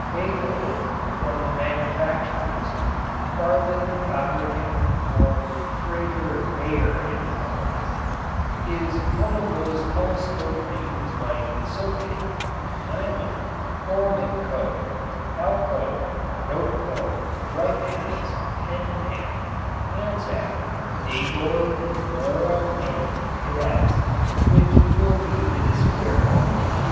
Bayko (from the manufacturers, Farbenfabriken vorm. Friedr. Bayer and Company) is one of those telescoped names like Socony, Nylic, Fominco, Alco, Ropeco, Ripans, Penn Yan, Anzac, Dagor, Dora and Cadets, which will be the despair of future philologers.